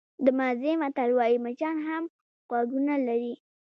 د مازی متل وایي مچان هم غوږونه لري.